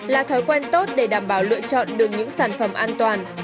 là thói quen tốt để đảm bảo lựa chọn được những sản phẩm an toàn